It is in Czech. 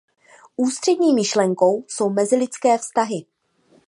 Ústřední myšlenkou jsou mezilidské vztahy.